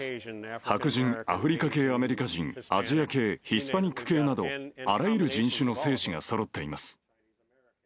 白人、アフリカ系アメリカ人、アジア系、ヒスパニック系など、あらゆる人種の精子がそろっています。